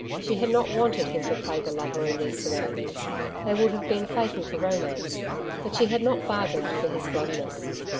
She had not wanted him to play the lover in these surroundings, they would have been fatal to romance, but she had not bargained for his glumness.